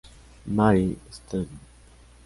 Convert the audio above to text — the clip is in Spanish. Mary's Stadium.